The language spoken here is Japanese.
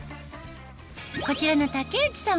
こちらの竹内さん